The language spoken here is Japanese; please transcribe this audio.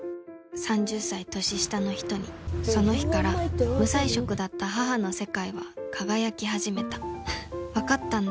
３０歳年下の人にその日から無彩色だった母の世界は輝き始めた分かったんだ。